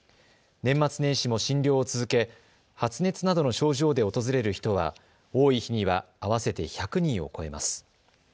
年末年始も診療を続け発熱などの症状で訪れる人は多い日には合わせて１００人を超えます。